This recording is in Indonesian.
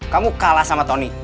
kamu kalah sama tony